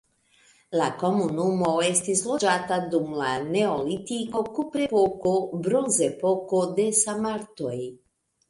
La komunumo estis loĝata dum la neolitiko, kuprepoko, bronzepoko, de sarmatoj.